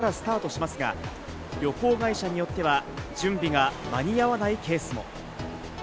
全国旅行支援は明日からスタートしますが、旅行会社によっては準備が間に合わないケースも。